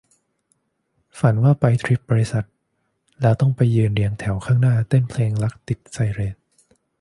ฝันว่าไปทริปบริษัท แล้วต้องไปยืนเรียงแถวข้างหน้าเต้นเพลงรักติดไซเรน